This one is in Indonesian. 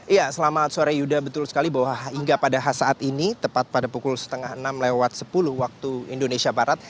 iya selamat sore yuda betul sekali bahwa hingga pada saat ini tepat pada pukul setengah enam lewat sepuluh waktu indonesia barat